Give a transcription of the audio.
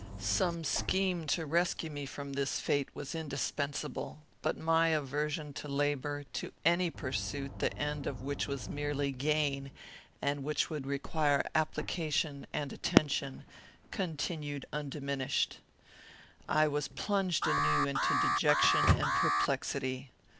Some scheme to rescue me from this fate was indispensable; but my aversion to labour, to any pursuit the end of which was merely gain, and which would require application and attention, continued undiminished. "I was plunged anew into dejection and perplexity.